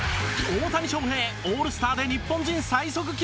大谷翔平、オールスターで日本人最速記録更新